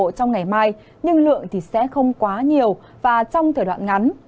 nhiệt độ cao nhất ngày mai nhưng lượng sẽ không quá nhiều và trong thời đoạn ngắn